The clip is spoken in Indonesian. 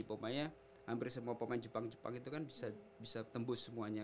pokoknya hampir semua pemain jepang jepang itu kan bisa tembus semuanya